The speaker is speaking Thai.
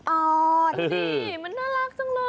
อ่อนสิมันน่ารักจังเลย